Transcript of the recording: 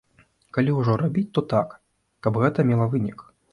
Калі ўжо рабіць, то так, каб гэта мела вынік.